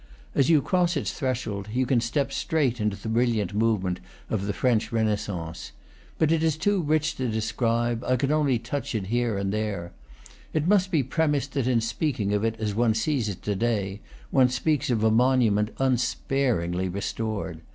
As you cross its threshold, you step straight into the brilliant movement of the French Renaissance. But it is too rich to describe, I can only touch it here and there. It must be pre mised that in speaking of it as one sees it to day, one speaks of a monument unsparingly restored.